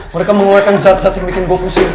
mereka mengeluarkan zat zat yang bikin go pusing